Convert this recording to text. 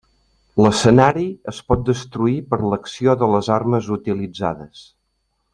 L'escenari es pot destruir per l'acció de les armes utilitzades.